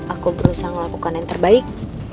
aku berusaha melakukan yang terbaik